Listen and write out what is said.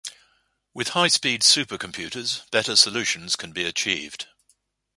With high-speed supercomputers, better solutions can be achieved.